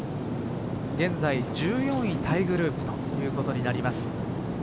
現在１４位タイグループということになります。